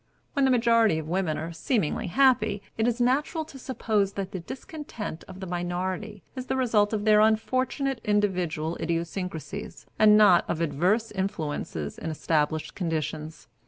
When the majority of women are seemingly happy, it is natural to suppose that the discontent of the minority is the result of their unfortunate individual idiosyncrasies, and not of adverse influences in established conditions.